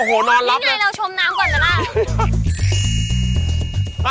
โอ้โฮนอนรับน่ะยังไงเราชมน้ำก่อนละนะ